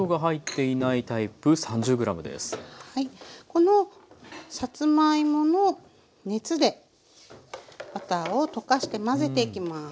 このさつまいもの熱でバターを溶かして混ぜていきます。